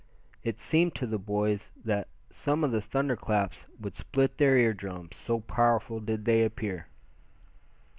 It seemed to the boys that some of the thunder claps would split their ear drums, so powerful did they appear.